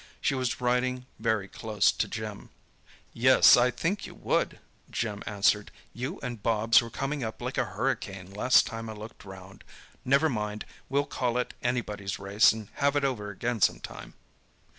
She was riding very close to Jim. "Yes, I think you would," Jim answered; "you and Bobs were coming up like a hurricane last time I looked round. Never mind, we'll call it anybody's race and have it over again sometime."